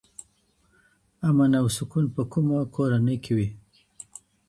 امن او سکون په کومه کورنۍ کي وي؟